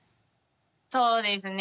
そうですね。